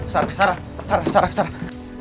sarah sarah sarah sarah